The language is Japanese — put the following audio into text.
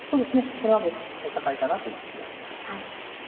これは互角の戦いかなという気がします。